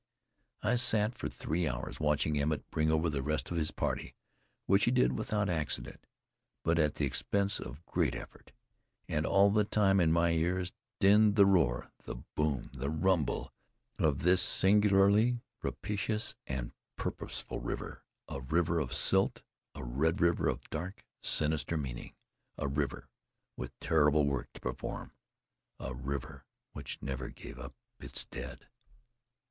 I sat for three hours watching Emmett bring over the rest of his party, which he did without accident, but at the expense of great effort. And all the time in my ears dinned the roar, the boom, the rumble of this singularly rapacious and purposeful river a river of silt, a red river of dark, sinister meaning, a river with terrible work to perform, a river which never gave up its dead.